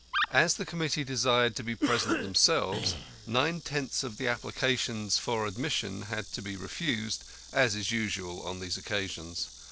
As the committee desired to be present themselves, nine tenths of the applications for admission had to be refused, as is usual on these occasions.